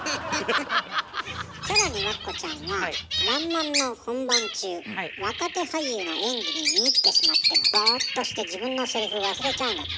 さらにわっこちゃんは「らんまん」の本番中若手俳優の演技に見入ってしまってボーっとして自分のセリフ忘れちゃうんだって？